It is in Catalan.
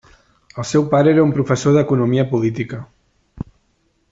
El seu pare era un professor d'economia política.